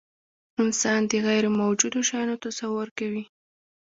انسان د غیرموجودو شیانو تصور کوي.